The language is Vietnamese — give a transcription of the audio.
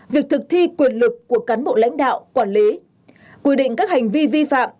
việc thực thi quyền lực của cán bộ lãnh đạo quản lý quy định các hành vi vi phạm